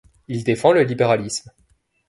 Il défend le libéralisme.